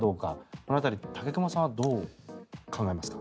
この辺り武隈さんはどう考えますか？